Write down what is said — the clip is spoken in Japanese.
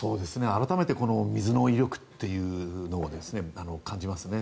改めて水の威力というのを感じますね。